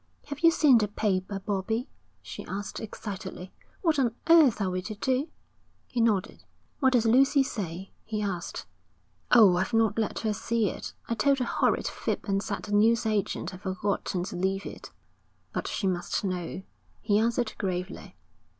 'Have you seen the paper, Bobbie?' she asked excitedly. 'What on earth are we to do?' He nodded. 'What does Lucy say?' he asked. 'Oh, I've not let her see it. I told a horrid fib and said the newsagent had forgotten to leave it.' 'But she must know,' he answered gravely.